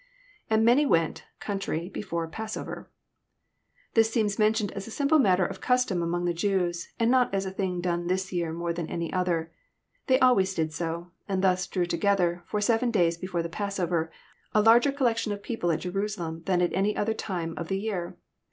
lAnd many V)ent...country,..before.,.pa88over.'] This seems mentioned as a simple matter of custom among the Jews, and not as a thing done this year more than any other. They always did so ; and thus drew together, for seven days before the pass over, a larger collection of people at Jerusalem than at any other time of the year.